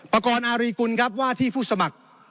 ประกอบอารีกุลครับว่าที่ผู้สมัคร